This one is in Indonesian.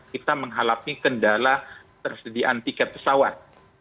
kita menghadapi kendala tersediaan tiket pesawat